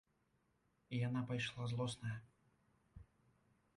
І яна пайшла злосная.